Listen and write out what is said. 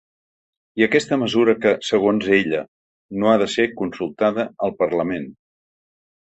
I aquesta mesura que, segons ella, no ha de ser consultada al parlament.